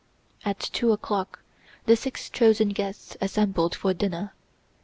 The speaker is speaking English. At two o'clock the six chosen guests assembled for dinner.